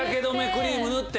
クリーム塗って？